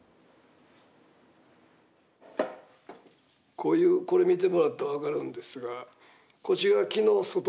こういうこれ見てもらったら分かるんですがこっちが木の外側です。